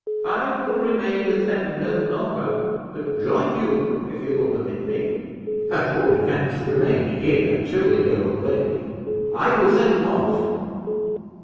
I will remain with them no longer, but join you if you will permit me. At all events, remain here till they go away I will send them off."